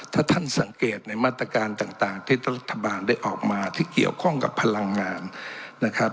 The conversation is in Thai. ถ้าท่านสังเกตในมาตรการต่างที่รัฐบาลได้ออกมาที่เกี่ยวข้องกับพลังงานนะครับ